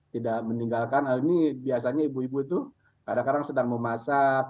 tidak meninggalkan ini biasanya ibu ibu itu kadang kadang sedang memasak